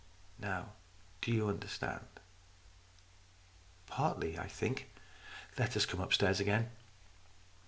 " Now do you understand ?"" Partly, I think. Let us come upstairs again."